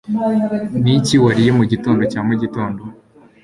niki wariye mugitondo cya mugitondo